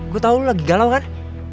gue tau lagi galau kan